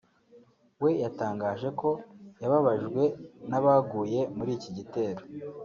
we yatangaje ko yababajwe n’abaguye muri iki gitero